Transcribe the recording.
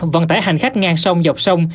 vận tải hành khách ngang sông dọc sông